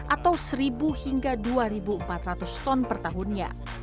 atau seribu hingga dua empat ratus ton per tahunnya